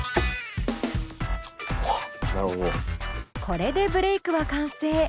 これでブレイクは完成。